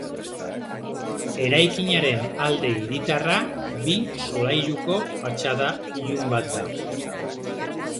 Eraikinaren alde hiritarra, bi solairuko fatxada ilun bat da.